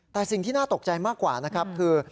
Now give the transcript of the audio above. แต่สิ่งที่น่าตกใจมากกว่านะครับคือ